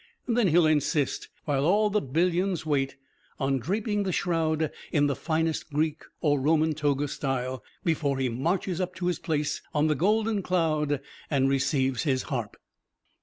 Then he'll insist, while all the billions wait, on draping the shroud in the finest Greek or Roman toga style, before he marches up to his place on the golden cloud and receives his harp."